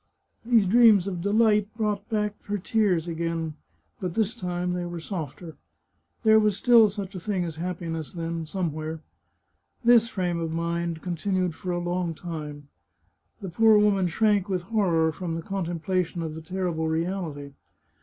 These dreams of delight brought back her tears again, but this time, they were softer. There was still such a thing as happiness, then, somewhere. This frame of mind con tinued for a long time. The poor woman shrank with horror from the contemplation of the terrible reality.